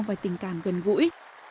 và tình cảm gần gũi